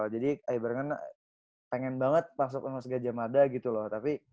jadi ibaratnya pengen banget masuk universitas gajah mada gitu loh